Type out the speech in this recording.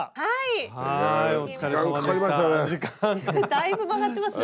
だいぶ曲がってますね。